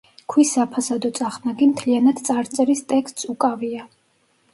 ქვის საფასადო წახნაგი მთლიანად წარწერის ტექსტს უკავია.